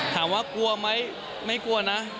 ถามว่ากลัวไหมไม่กลัวนะ